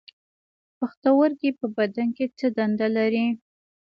پښتورګي په بدن کې څه دنده لري